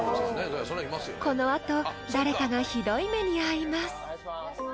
［この後誰かがひどい目に遭います］